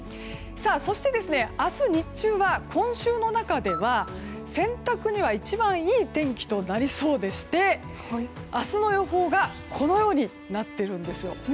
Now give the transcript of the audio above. そして、明日日中は今週の中では洗濯には一番いい天気となりそうでして明日の予報がこのようになっているんですよ。